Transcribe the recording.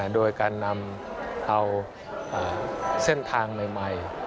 โดยการนำเอาเส้นทางใหม่